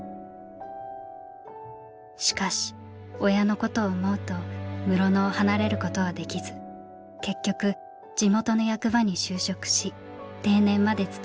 しかし親のことを思うと室野を離れることはできず結局地元の役場に就職し定年まで勤めあげました。